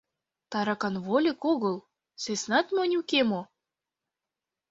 — Таракан вольык огыл, сӧснат монь уке мо?